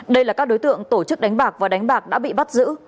đây là các đối tượng tổ chức đánh bạc và đánh bạc đã bị bắt giữ